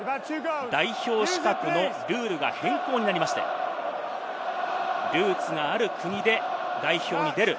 代表資格のルールが変更になりまして、ルーツがある国で代表に出る。